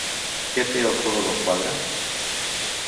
Què té el color del quadre?